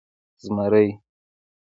🦬 زمری